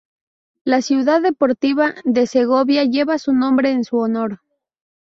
La Ciudad Deportiva de Segovia lleva su nombre en su honor.